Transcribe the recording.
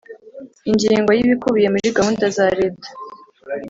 Ingingo y Ibikubiye muri gahunda za leta